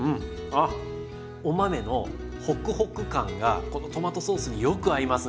ああお豆のホクホク感がこのトマトソースによく合いますね。